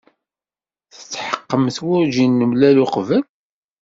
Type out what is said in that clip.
Tetḥeqqemt werjin nemlal uqbel?